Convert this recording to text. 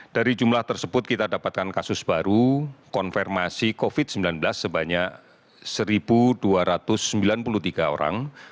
dari jumlah tersebut kita dapatkan kasus baru konfirmasi covid sembilan belas sebanyak satu dua ratus sembilan puluh tiga orang